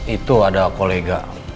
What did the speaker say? itu ada kolega